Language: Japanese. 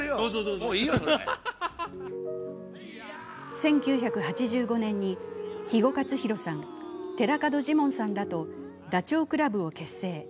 １９８５年に肥後克広さん、寺門ジモンさんらとダチョウ倶楽部を結成。